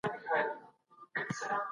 راتلونکې څېړنه به لارې ښه کړي.